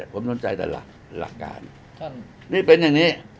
ผมสนใจแต่หลักการนี่เป็นอย่างนี้